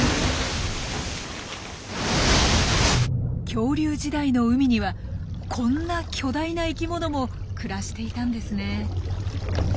恐竜時代の海にはこんな巨大な生きものも暮らしていたんですね。